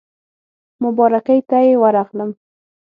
مبارکۍ ته یې ورغلم.